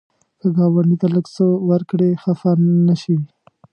که ګاونډي ته لږ څه ورکړې، خفه نشي